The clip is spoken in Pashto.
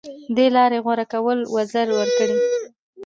دې لارې غوره کول وزر ورکړي